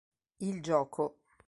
Il gioco